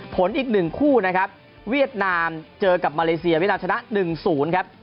อีก๑คู่นะครับเวียดนามเจอกับมาเลเซียเวียดนามชนะ๑๐ครับ